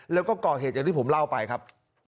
แล้วก็ก่อเหตุอย่างที่ผมเล่าไปครับ